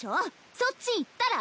そっち行ったら？